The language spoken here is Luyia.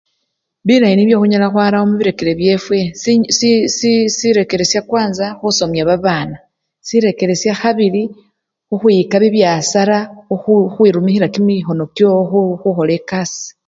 Bilayi nibyo khunyala khwara mubireker byefwe, chi! si! si! sirekele syakwanza khusomya babana, silekele syakhabili khukhwiyika bibyasara khu! khukhwirumikhila kimikhono kyowo khukhola ekasii.